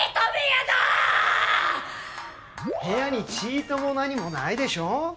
部屋にチートも何もないでしょう？